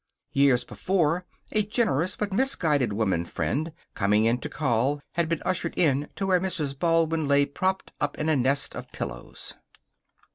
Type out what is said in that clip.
Years before, a generous but misguided woman friend, coming in to call, had been ushered in to where Mrs. Baldwin lay propped up in a nest of pillows.